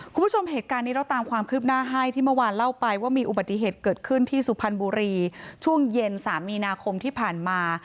คุณผู้ชมเหตุการณ์นี้เราตามความคืบหน้าให้ที่เมื่อวานเล่าไปว่ามีอุบัติเหตุเกิดขึ้นที่สุพรรณบุรีช่วงเย็น๓มีนาคมที่ผ่านมา